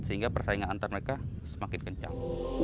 sehingga persaingan antar mereka semakin kencang